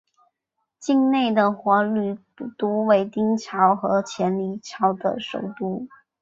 境内的华闾古都为丁朝和前黎朝的首都。